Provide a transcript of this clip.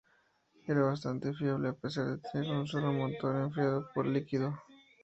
Era bastante fiable, a pesar de tener un solo motor enfriado por líquido.